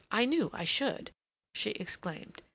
I knew I should!" she exclaimed.